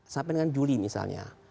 sampai dengan juli misalnya